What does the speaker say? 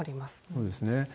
そうですね。